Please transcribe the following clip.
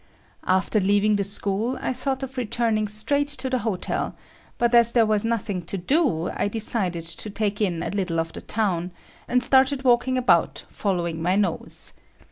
After leaving the school, I thought of returning straight to the hotel, but as there was nothing to do, I decided to take in a little of the town, and started walking about following my nose.